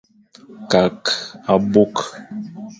Kakh abôkh.